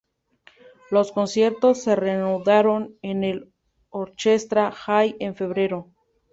Los conciertos se reanudaron en el Orchestra Hall en febrero.